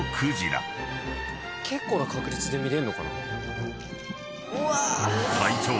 結構な確率で見れるのかな。